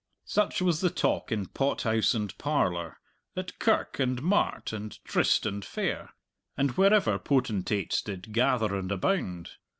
Such was the talk in pot house and parlour, at kirk and mart and tryst and fair, and wherever potentates did gather and abound.